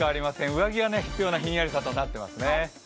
上着が必要なひんやりさとなっていますね。